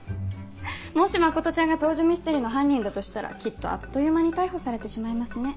もし真ちゃんが倒叙ミステリの犯人だとしたらきっとあっという間に逮捕されてしまいますね。